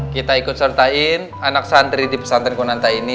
kita ikut sertain anak santri di pesantren konanta ini